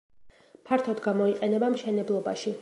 ფართოდ გამოიყენება მშენებლობაში.